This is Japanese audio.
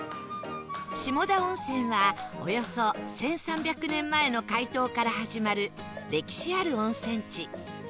下田温泉はおよそ１３００年前の開湯から始まる歴史ある温泉地